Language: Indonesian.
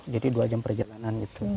jadi dua jam perjalanan gitu